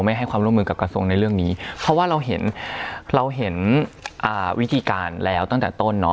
ไม่ให้ความร่วมมือกับกระทรวงในเรื่องนี้เพราะว่าเราเห็นวิธีการแล้วตั้งแต่ต้น